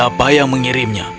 dan siapa yang mengirimnya